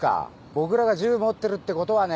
僕らが銃持ってるってことはね。